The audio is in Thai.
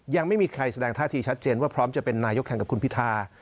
ยังไม่มีใครแสดงท่าทีชัดเจนว่าพร้อมจะเป็นนายกแข่งกับคุณพิธา